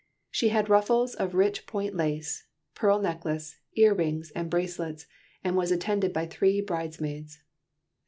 She had ruffles of rich point lace, pearl necklace, ear rings, and bracelets, and was attended by three bridesmaids.